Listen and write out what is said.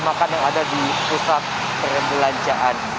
makan yang ada di pusat perbelanjaan